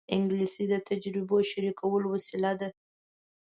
انګلیسي د تجربو شریکولو وسیله ده